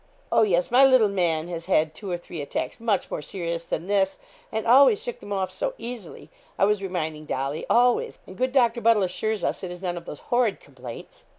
'Oh, yes, my little man has had two or three attacks much more serious than this, and always shook them off so easily, I was reminding Dolly, always, and good Doctor Buddle assures us it is none of those horrid complaints.'